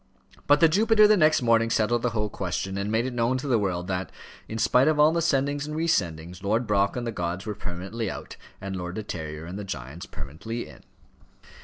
But the Jupiter the next morning settled the whole question, and made it known to the world that, in spite of all the sendings and re sendings, Lord Brock and the gods were permanently out, and Lord De Terrier and the giants permanently in.